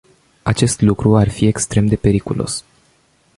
Acest lucru ar fi extrem de periculos.